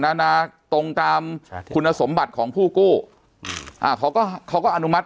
นานาตรงตามคุณสมบัติของผู้กู้อ่าเขาก็เขาก็อนุมัติ